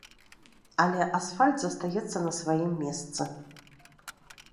Але асфальт застаецца на сваім месцы.